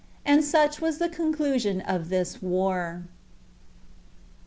And such was the conclusion of this war.